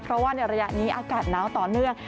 เพราะว่าในระยะนี้อากาศน้าวต่อเนื่อง